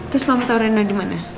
terus mama tau rena dimana